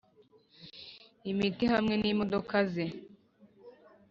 imiti hamwe n’imodoka ze